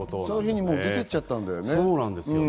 その日に出て行っちゃったんだよね。